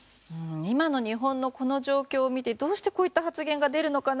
今の日本の状況を見てどうしてこういう発言が出るのかな。